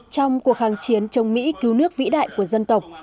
trong cuộc kháng chiến chống mỹ cứu nước vĩ đại của dân tộc